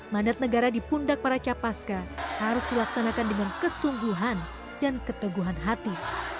mandat negara di pundak para capaska harus dilaksanakan dengan kesungguhan dan keteguhan hati